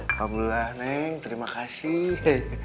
alhamdulillah neng terima kasih